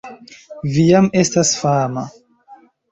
Vi jam estas fama